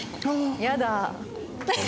やだ。